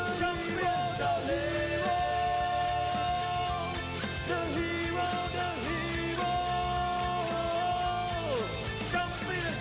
จังหวาดึงซ้ายตายังดีอยู่ครับเพชรมงคล